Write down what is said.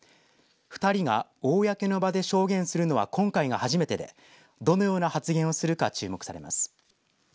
２人が公の場で証言するのは今回が初めてでどのような発言をするか注目されます。